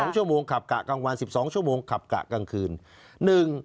๒ชั่วโมงขับกะกลางวัน๑๒ชั่วโมงขับกะกลางคืน